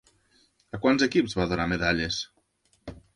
A quants equips va donar medalles?